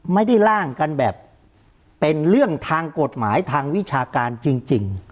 ร่างกันแบบเป็นเรื่องทางกฎหมายทางวิชาการจริง